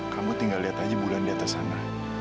kamu tinggal lihat aja bulan di atas sana